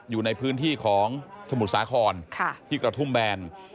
อยู่ในพื้นที่สมุดสาครที่กระถุมแบล